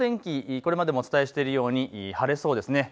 これまでもお伝えしているように晴れそうです。